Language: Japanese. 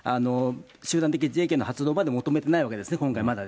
集団的自衛権の発動まで求めてないわけですね、今回まだ。